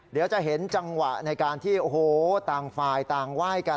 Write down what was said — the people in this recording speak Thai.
เดี๋ยวจะเห็นจังหวะในการที่โอ้โหต่างฝ่ายต่างไหว้กัน